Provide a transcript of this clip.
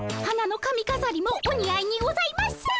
花のかみかざりもおにあいにございます。